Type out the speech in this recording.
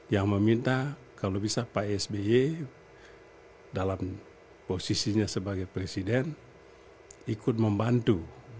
yang meminta kalau bisa pak sby dalam posisinya sebagai presiden ikut membantu